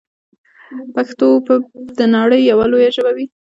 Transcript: پښتو به د نړۍ یوه لویه ژبه وي.